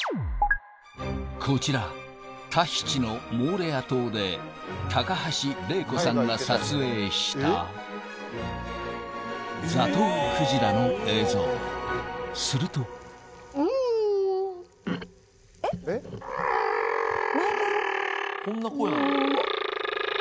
こちらタヒチのモーレア島で高橋怜子さんが撮影したザトウクジラの映像するとこんな声なん。うわ。